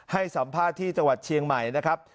ให้สัมภาษณ์ที่จังหวัดเชียงใหม่นะครับ